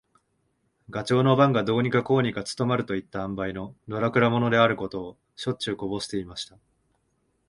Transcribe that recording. ガチョウの番がどうにかこうにか務まるといった塩梅の、のらくら者であることを、しょっちゅうこぼしていました。